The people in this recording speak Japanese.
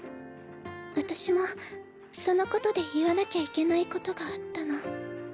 私もそのことで言わなきゃいけないことがあったの。